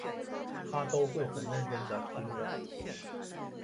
她都会很认真地听着